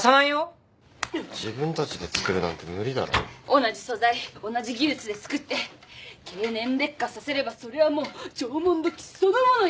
同じ素材同じ技術で作って経年劣化させればそれはもう縄文土器そのものよ！